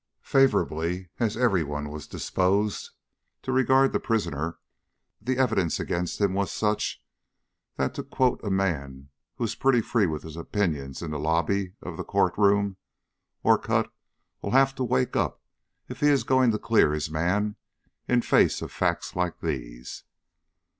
Favorably as every one was disposed to regard the prisoner, the evidence against him was such that, to quote a man who was pretty free with his opinions in the lobby of the court room: "Orcutt will have to wake up if he is going to clear his man in face of facts like these."